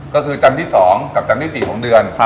ก็คือจันทร์ที่๒กับจันทร์ที่๔ของเดือน